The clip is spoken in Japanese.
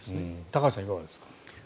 高橋さん、いかがですか。